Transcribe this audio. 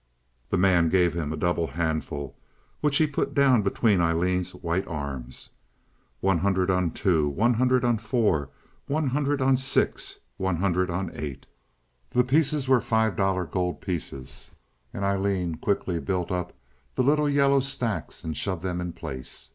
The man gave him a double handful, which he put down between Aileen's white arms. "One hundred on two. One hundred on four. One hundred on six. One hundred on eight." The pieces were five dollar gold pieces, and Aileen quickly built up the little yellow stacks and shoved them in place.